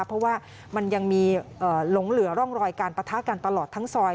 เพราะว่ามันยังมีหลงเหลือร่องรอยการปะทะกันตลอดทั้งซอย